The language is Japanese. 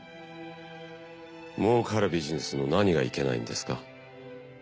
もうかるビジネスの何がいけないんですか？